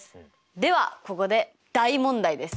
ではここで大問題です。